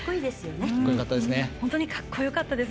本当に格好よかったです。